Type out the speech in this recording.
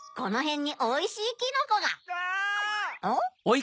・ん